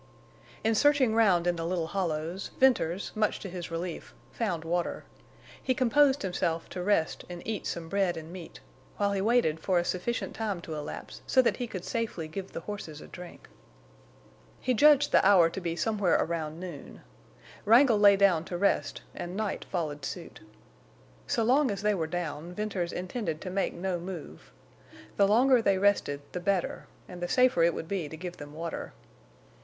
In searching round in the little hollows Venters, much to his relief, found water. He composed himself to rest and eat some bread and meat, while he waited for a sufficient time to elapse so that he could safely give the horses a drink. He judged the hour to be somewhere around noon. Wrangle lay down to rest and Night followed suit. So long as they were down Venters intended to make no move. The longer they rested the better, and the safer it would be to give them water.